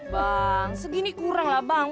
bang segini kurang lah bang